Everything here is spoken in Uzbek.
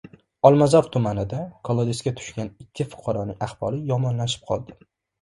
Olmazor tumanida "kolodes"ga tushgan ikki fuqaroning ahvoli yomonlashib qoldi